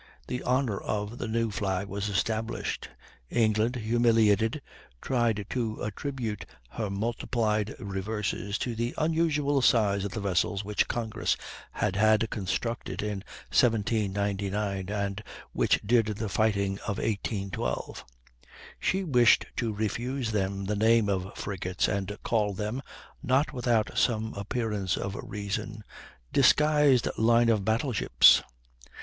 The honor of the new flag was established. England, humiliated, tried to attribute her multiplied reverses to the unusual size of the vessels which Congress had had constructed in 1799, and which did the fighting in 1812. She wished to refuse them the name of frigates, and called them, not without some appearance of reason, disguised line of battle ships.